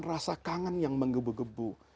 rasa kangen yang menggebu gebu